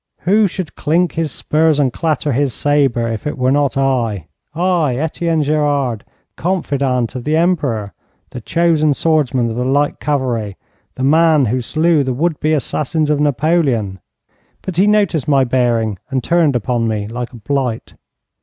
Who should clink his spurs and clatter his sabre if it were not I I, Etienne Gerard the confidant of the Emperor, the chosen swordsman of the light cavalry, the man who slew the would be assassins of Napoleon? But he noticed my bearing and turned upon me like a blight.